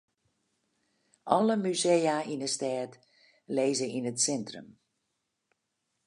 Alle musea yn 'e stêd lizze yn it sintrum.